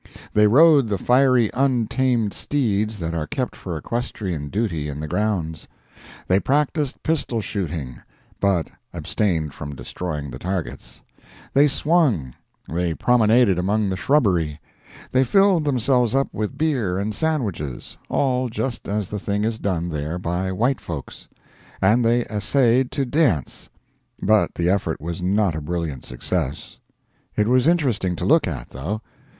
They rode the fiery untamed steeds that are kept for equestrian duty in the grounds; they practised pistol shooting, but abstained from destroying the targets; they swung; they promenaded among the shrubbery; they filled themselves up with beer and sandwiches—all just as the thing is done there by white folks—and they essayed to dance, but the effort was not a brilliant success. It was interesting to look at, though.